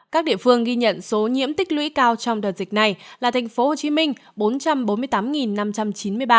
các địa phương ghi nhận số nhiễm tích lũy cao trong đợt dịch này là thành phố hồ chí minh